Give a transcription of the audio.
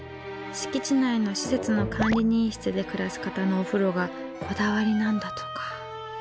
敷地内の施設の管理人室で暮らす方のお風呂がこだわりなんだとか。